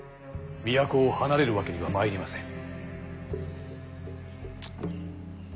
都を離れるわけにはまいりません。